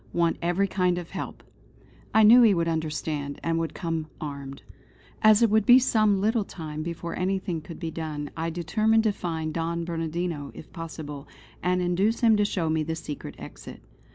Want every kind of help." I knew he would understand, and would come armed. As it would be some little time before anything could be done, I determined to find Don Bernardino if possible; and induce him to show me the secret exit.